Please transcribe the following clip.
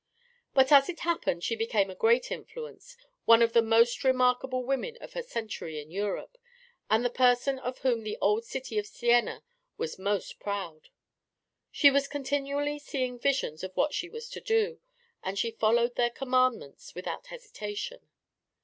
But as it happened she became a great influence, one of the most remarkable women of her century in Europe, and the person of whom the old city of Siena was most proud. She was continually seeing visions of what she was to do, and she followed their commands without hesitation.